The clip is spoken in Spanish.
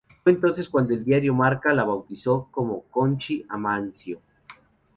Fue entonces cuando el diario Marca la bautizó como "Conchi Amancio".